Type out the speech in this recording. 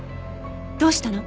どうしたの？